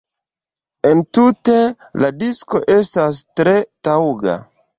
Entute, la disko estas tre taŭga.